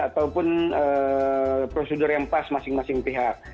ataupun prosedur yang pas masing masing pihak